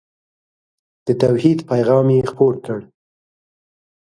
د توحید پیغام یې خپور کړ.